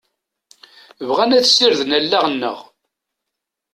Bɣan ad sirden allaɣ-nneɣ.